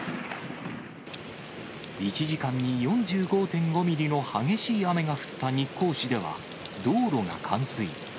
１時間に４５．５ミリの激しい雨が降った日光市では、道路が冠水。